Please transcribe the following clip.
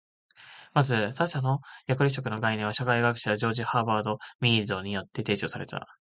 まず、「他者の役割取得」の概念は社会学者ジョージ・ハーバート・ミードによって提唱された。